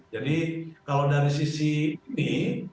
jadi kalau dari sisi ini